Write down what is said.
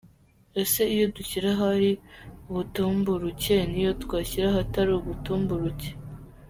Ese iyo dushyira ahari ubutumburuke ni yo twashyira ahatari ubutumburuke?.